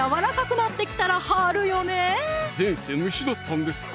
前世虫だったんですか？